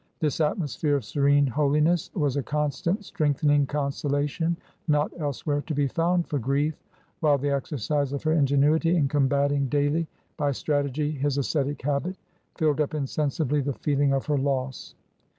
This atmosphere of serene holiness was a constant strengthening consolation not elsewhere to be found for grief, while the exercise of her ingenuity in combating daily, by strategy, his ascetic habit, filled up insensibly the feeling of her loss.